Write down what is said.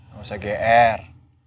gak usah gr